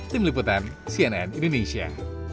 tim liputan cnn indonesia